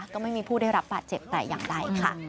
ก็ไม่มีผู้ได้รับบาดเจ็บแต่อย่างใดค่ะ